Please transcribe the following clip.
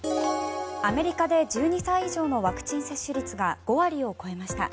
アメリカで１２歳以上のワクチン接種率が５割を超えました。